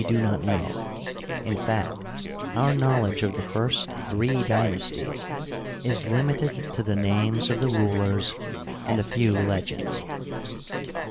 do not know ; in fact, our knowl edge of the first three dynasties is limited to the names of the rulers and a few legends.